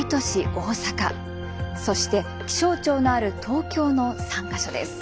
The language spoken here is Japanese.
大阪そして気象庁のある東京の３か所です。